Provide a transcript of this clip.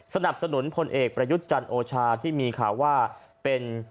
สนับสนุนพลเอกประยุทธ์จันทร์โอชาที่มีข่าวว่าเป็น